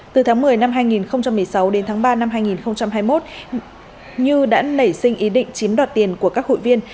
từ tháng một mươi năm hai nghìn một mươi sáu đến tháng ba năm hai nghìn hai mươi một như đã nảy sinh ý định chiếm đoạt tiền của các hội viên